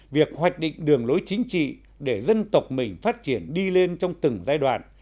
việc hoạch định đường lối chính trị để dân tộc mình phát triển đi lên trong từng giai đoạn